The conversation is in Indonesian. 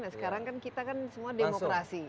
sekarang kan kita semua demokrasi